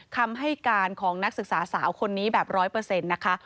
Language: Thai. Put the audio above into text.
คำให้การของนักศึกษาสาวคนนี้แบบร้อยเปอร์เซ็นต์นะคะ